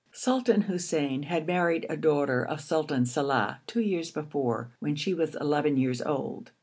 Sultan Hussein had married a daughter of Sultan Salàh two years before, when she was eleven years old.